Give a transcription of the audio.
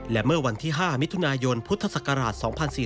และเมื่อวันที่๕มิถุนายนพุทธศักราช๒๔๔